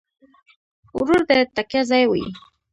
ورور د تکیه ځای وي.